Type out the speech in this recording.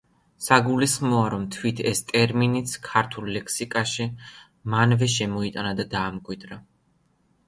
საგულისხმოა, რომ თვით ეს ტერმინიც ქართულ ლექსიკაში მანვე შემოიტანა და დაამკვიდრა.